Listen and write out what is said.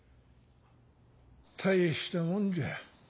大したもんじゃ。